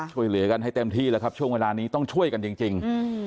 ช่วยเหลือกันให้เต็มที่แล้วครับช่วงเวลานี้ต้องช่วยกันจริง